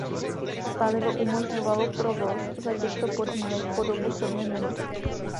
Palivo umožňovalo provoz za těchto podmínek po dobu sedmi minut.